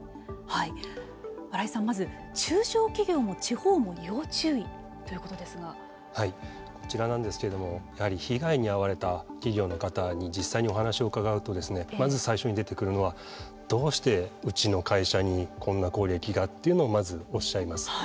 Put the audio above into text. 新井さん、まず中小企業もこちらなんですけれどもやはり被害に遭われた企業の方に実際にお話を伺うとまず最初に出てくるのはどうしてうちの会社にこんな攻撃がというのをおっしゃいます。